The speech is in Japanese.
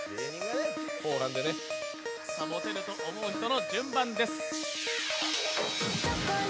モテると思う人の順番です。